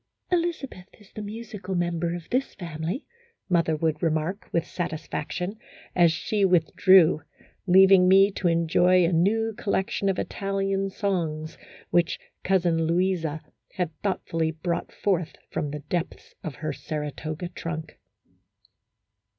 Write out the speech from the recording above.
" Elizabeth is the musical member of this family," mother would remark, with satisfaction, as she with drew, leaving me to enjoy a new collection of Ital A HYPOCRITICAL ROMANCE. 19 ian songs, which Cousin Louisa had thoughtfully brought forth from the depths of her Saratoga trunk.